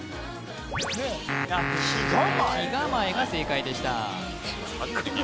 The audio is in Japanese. きがまえが正解でした